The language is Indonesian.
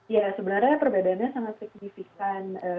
ya sebenarnya perbedaannya sangat signifikan